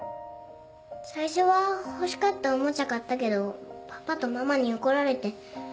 最初は欲しかったおもちゃ買ったけどパパとママに怒られて。